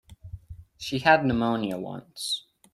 She had pneumonia once.